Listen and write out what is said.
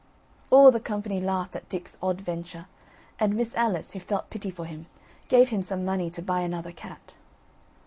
All the company laughed at Dick's odd venture; and Miss Alice, who felt pity for him, gave him some money to buy another cat.